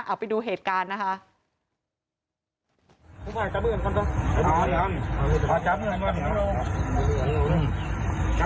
เอาไปดูเหตุการณ์นะคะ